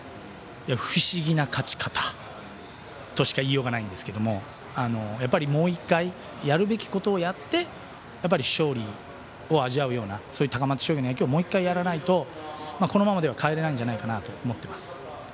不思議な勝ち方としか言いようがないんですけどもう１回やるべきことをやって勝利を味わうような高松商業の野球をもう１回やらないとこのままでは変えられないんじゃないかなと思います。